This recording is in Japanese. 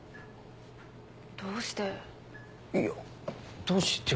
どうして。